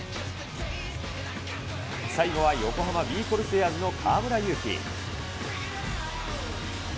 最後は横浜ビー・コルセアーズの河村勇輝。